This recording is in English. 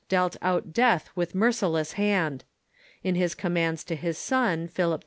dealt out death with merci less hand. In his commands to his son, Philip II.